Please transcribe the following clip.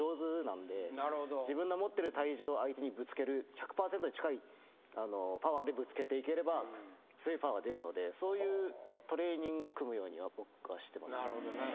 自分の持ってる体重を相手にぶつける１００％に近いパワーでぶつけていければ強いパワーが出るのでそういうトレーニングを組むようには僕はしてますね。